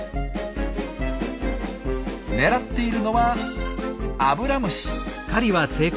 狙っているのはアブラムシ。